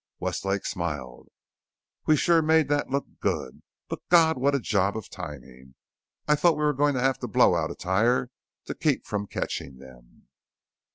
Westlake smiled. "We sure made that look good. But God what a job of timing! I thought we were going to have to blow out a tire to keep from catching them!"